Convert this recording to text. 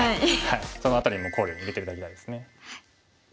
その辺りも考慮に入れて頂きたいです。